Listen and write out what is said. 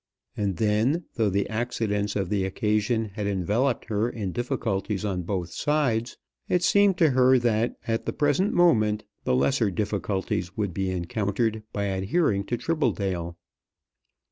And then, though the accidents of the occasion had enveloped her in difficulties on both sides, it seemed to her that, at the present moment, the lesser difficulties would be encountered by adhering to Tribbledale.